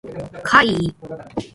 怪異